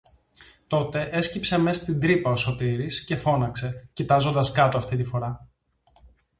Τότε έσκυψε μες στην τρύπα ο Σωτήρης, και φώναξε, κοιτάζοντας κάτω αυτή τη φορά: